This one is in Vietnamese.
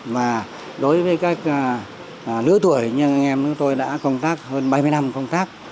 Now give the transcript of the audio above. mà đối với các lứa tuổi như anh em tôi đã công tác hơn bảy mươi năm công tác